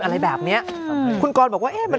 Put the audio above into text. อะไรแบบเนี้ยคุณกรบอกว่า